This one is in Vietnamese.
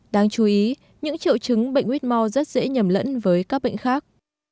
đáng chú ý những triệu chứng bệnh quyết mò rất dễ nhầm lẫn với các bệnh khác